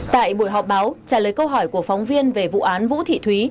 tại buổi họp báo trả lời câu hỏi của phóng viên về vụ án vũ thị thúy